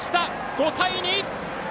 ５対２！